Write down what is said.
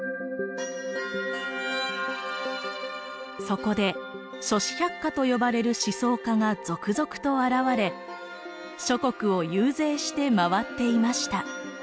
そこで「諸子百家」と呼ばれる思想家が続々と現れ諸国を遊説して回っていました。